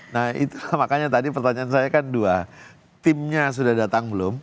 nah itulah makanya tadi pertanyaan saya kan dua timnya sudah datang belum